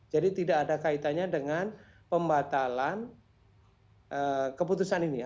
jadi tidak ada kaitannya dengan pembatalan keputusan ini